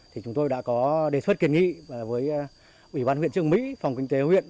thì chúng tôi đã có đề xuất kiến nghị với ủy ban huyện trường mỹ phòng kinh tế huyện